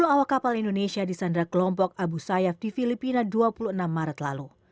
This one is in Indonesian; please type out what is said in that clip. sepuluh awak kapal indonesia di sandra kelompok abu sayyaf di filipina dua puluh enam maret lalu